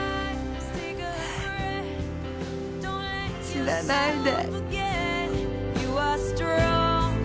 死なないで。